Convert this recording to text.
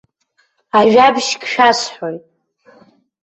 Ажәабжьк шәасҳәоит.